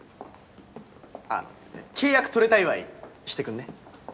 あっ契約取れた祝いしてくんね？